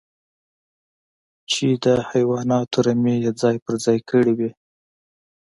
چې د حيواناتو رمې يې ځای پر ځای کړې وې.